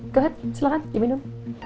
go ahead silahkan diminum